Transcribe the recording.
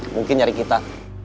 mungkin nyari kita